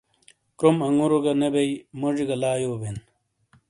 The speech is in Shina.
کروم انگورو گہ نے بئی، موجی گہ لا یو بین۔